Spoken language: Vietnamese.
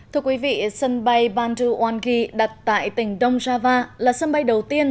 thưa quý vị sân bay bandung wangi đặt tại tỉnh dong java là sân bay đầu tiên